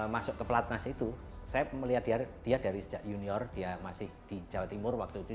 masuk ke pelatnas itu saya melihat dia dari sejak junior dia masih di jawa timur waktu itu